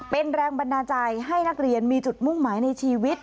เป็นแรงบันดาลใจให้นักเรียนมีจุดมุ่งหมายในชีวิต